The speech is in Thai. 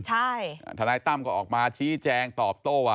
ทนายตั้มก็ออกมาชี้แจงตอบโต้ว่า